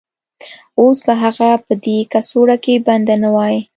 اوس به هغه په دې کڅوړه کې بنده نه وای